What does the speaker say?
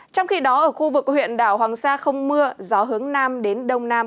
trong khi đó ở khu vực huyện đảo hoàng sa không mưa gió hướng nam đến đông nam